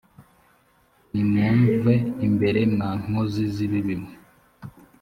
nimumve imbere mwa nkozi z’ibibi mwe